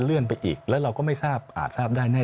เร็วขนาดต้องแบบโอ้โห